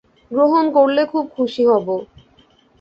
গ্রহণ করলে খুব খুশি হব।